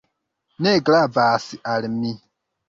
Ne gravas al mi.